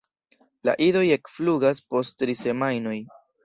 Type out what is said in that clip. La idoj ekflugas post tri semajnoj.